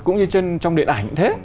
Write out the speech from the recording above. cũng như trong điện ảnh thế